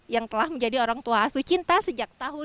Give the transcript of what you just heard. yang telah menjadi orang tua asuh cinta sejak tahun dua ribu